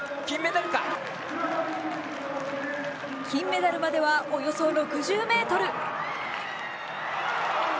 金メダルまではおよそ６０ｍ。